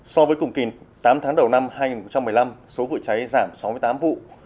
so với cùng kỳ tám tháng đầu năm hai nghìn một mươi năm số vụ cháy giảm sáu mươi tám vụ